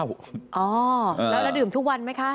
อ๋อแล้วในเดี๋ยวนึงทุกวันไหมคะ